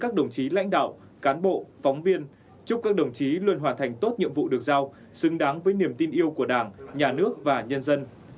các đồng chí lãnh đạo cán bộ phóng viên chúc các đồng chí luôn hoàn thành tốt nhiệm vụ được giao xứng đáng với niềm tin yêu của đảng nhà nước và nhân dân